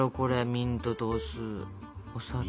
ミントとお酢お砂糖。